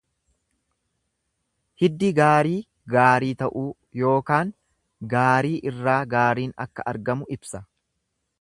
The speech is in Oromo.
Hiddi gaarii gaarii ta'uu yookaan gaarii irraa gaariin akka argamu ibsa.